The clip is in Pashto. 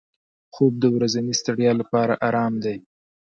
خوب د ورځني ستړیا لپاره آرام دی